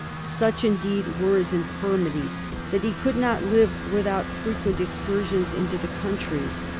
Such indeed were his infirmities that he could not live without frequent excur sions into the country.